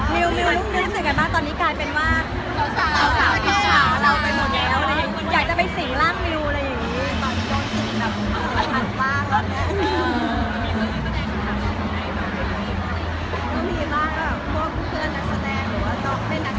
มีบ้างว่ามีคนพูดมาคุณเพื่อเจอใครบ้าง